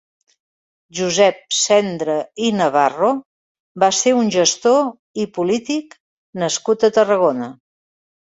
Josep Sendra i Navarro va ser un gestor i polític nascut a Tarragona.